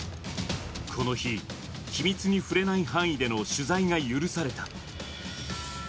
この日、機密に触れない範囲での取材が許された。